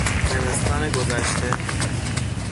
زمستان گذشته